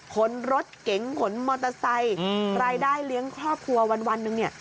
ขนรถเก๋งขนมอเตอร์ไซค์รายได้เลี้ยงครอบครัววันหนึ่งเนี่ย